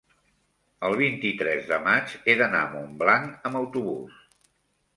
el vint-i-tres de maig he d'anar a Montblanc amb autobús.